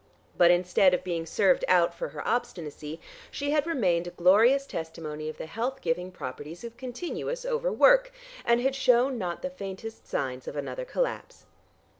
But instead of being "served out" for her obstinacy, she had remained a glorious testimony of the health giving properties of continuous over work, and had shewn not the faintest signs of another collapse.